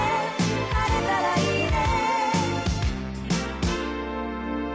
「晴れたらいいね」